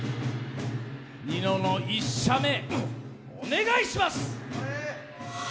ニノの１射目、お願いします！